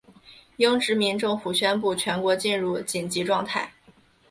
英殖民政府宣布全国进入紧急状态。